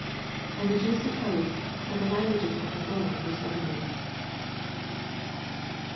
And the Jews supposed that the Unguages of the world were seventy."